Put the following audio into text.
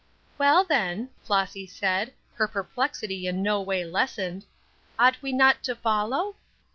"Well, then," Flossy said, her perplexity in no way lessened, "ought we not to follow?"